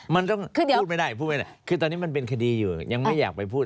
พูดไม่ได้คือตอนนี้มันเป็นคดีอยู่ยังไม่อยากไปพูด